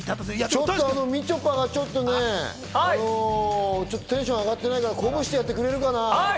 みちょぱがちょっとね、テンション上がってないから鼓舞してやってくれるかな？